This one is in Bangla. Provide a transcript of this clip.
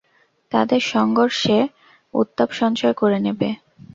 তাঁদের সংসর্গে উত্তাপ সঞ্চয় করে নেবে।